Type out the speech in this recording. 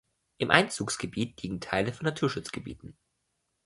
Im Einzugsgebiet liegen Teile von Naturschutzgebieten.